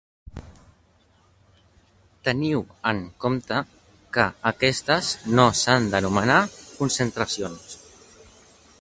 Teniu en compte que aquestes no s'han d'anomenar concentracions.